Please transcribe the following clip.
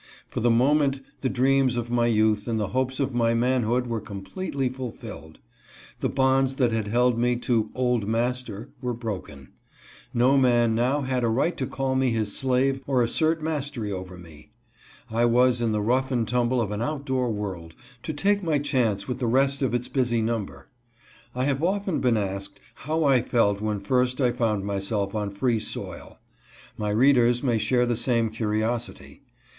For the moment the dreams of my youth and the hopes of my manhood were completely fulfilled. The bonds that had held me to " old master" were broken. No man now had a right to call me his slave or assert mastery over me. I was in the rough and tumble of an outdoor world, to take my chance with the rest of its busy number. I have often been asked, how I felt when first I found myself on free soil. My readers may share the same curiosity.